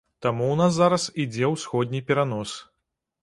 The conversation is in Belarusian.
Таму ў нас зараз ідзе ўсходні перанос.